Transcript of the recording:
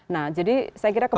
nah jadi saya kira kembali lagi